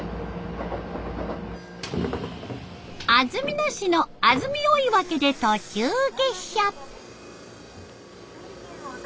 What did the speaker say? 安曇野市の安曇追分で途中下車。